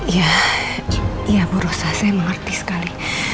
ya iya ibu rosa saya mengerti sekali